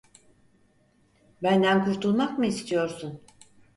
Benden kurtulmak mı istiyorsun?